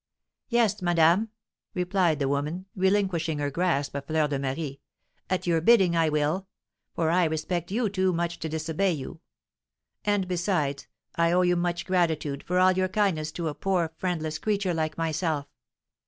"Yes, madame," replied the woman, relinquishing her grasp of Fleur de Marie, "at your bidding I will; for I respect you too much to disobey you. And, besides, I owe you much gratitude for all your kindness to a poor, friendless creature like myself.